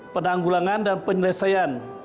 penanggulangan dan penyelesaian